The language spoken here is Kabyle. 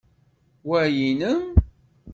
Wa nnem?